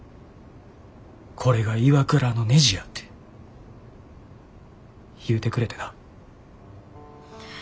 「これがＩＷＡＫＵＲＡのねじや」って言うてくれてな。